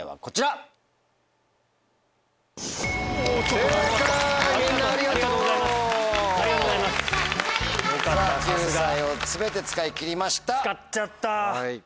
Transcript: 救済を全て使い切りました。